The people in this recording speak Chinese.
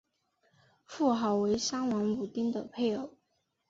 妇好为商王武丁的配偶。